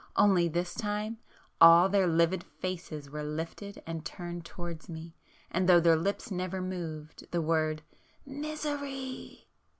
—only this time all their livid faces were lifted and turned towards me, and though their lips never moved, the word 'Misery!